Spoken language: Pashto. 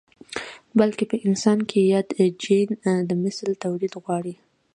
بلکې په انسان کې ياد جېن د مثل توليد غواړي.